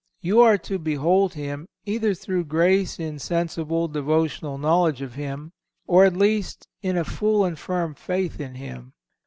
You are to behold Him either through grace in sensible devotional knowledge of Him, or, at least, in a full and firm faith in Him.